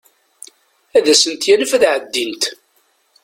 Ad asent-yanef ad ɛeddint.